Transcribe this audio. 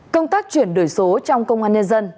công tác chuyển đổi số trong công an nhân dân